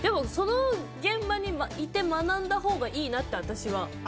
現場にいて学んだほうがいいなって。